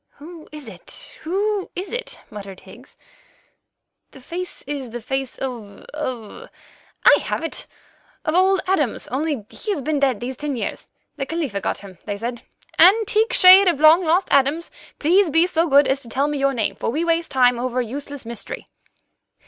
"Who is it? Who is it?" muttered Higgs. "The face is the face of—of—I have it—of old Adams, only he's been dead these ten years. The Khalifa got him, they said. Antique shade of the long lost Adams, please be so good as to tell me your name, for we waste time over a useless mystery."